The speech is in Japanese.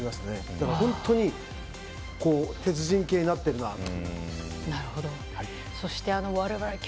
だから本当に鉄人系になっているなと。